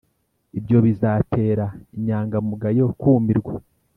ibyo bizatera inyangamugayo kūmirwa